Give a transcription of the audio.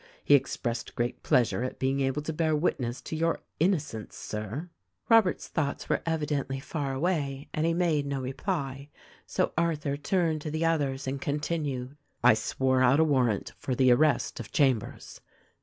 He expressed great pleasure at being able to bear witness to your innocence, Sir." Robert's thoughts were evidently far away and he made no reply, so Arthur turned to the others and continued : "I swore out a warrant for the arrest of Chambers.